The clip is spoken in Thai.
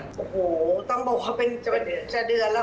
โหต้องบอกว่าจะเดือนแล้วค่ะ